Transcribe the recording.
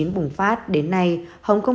bùng phát đến nay hồng kông